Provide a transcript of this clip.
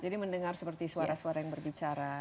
jadi mendengar seperti suara suara yang berbicara